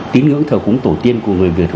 tín ngưỡng thờ cúng tổ tiên của người việt